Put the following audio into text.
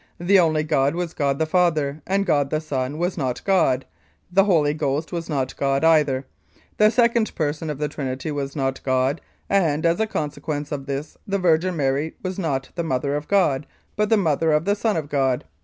The only God was God the Father, and God the Son was not God ; the Holy Ghost was not God either ; the second person of the Trinity was not God, and as a consequence of this the Virgin Mary was not the Mother of God, but the Mother of the Son of God.